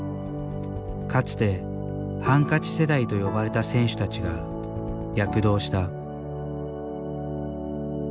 かつて「ハンカチ世代」と呼ばれた選手たちが躍動した。